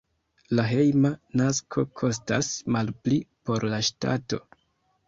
La hejma nasko kostas malpli por la ŝtato.